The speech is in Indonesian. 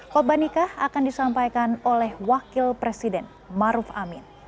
koba nikah akan disampaikan oleh wakil presiden maruf amin